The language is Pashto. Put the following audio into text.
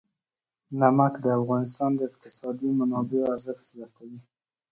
نمک د افغانستان د اقتصادي منابعو ارزښت زیاتوي.